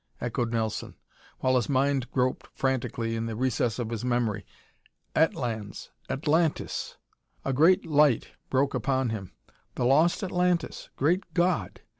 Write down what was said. echoed Nelson, while his mind groped frantically in the recess of his memory. "Atlans, Atlantis!" A great light broke upon him. "The lost Atlantis! Great God!"